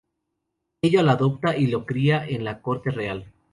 Ella lo adopta y lo cría en la corte real.